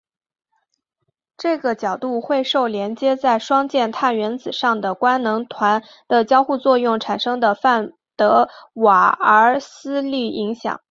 这个角度会受连接在双键碳原子上的官能团的交互作用产生的范德瓦耳斯力影响。